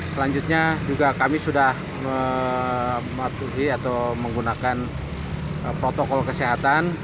selanjutnya juga kami sudah menggunakan protokol kesehatan